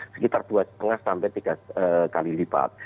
sekitar dua lima sampai tiga kali lipat